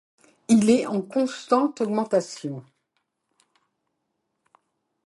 Il est en constante augmentation.